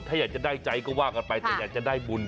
ถ้าอยากจะได้ใจก็ว่ากันไปแต่อยากจะได้บุญ